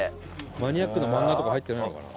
マニアックな漫画とか入ってないのかな？